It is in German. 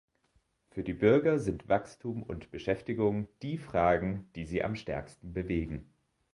Für die Bürger sind Wachstum und Beschäftigung die Fragen, die sie am stärksten bewegen.